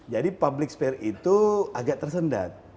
jadi public spare itu agak tersendat